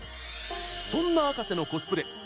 そんな、あかせのコスプレ。